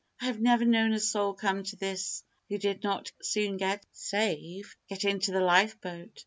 I have never known a soul come to this who did not soon get saved. Get into the lifeboat.